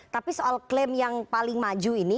tapi soal klaim yang paling maju ini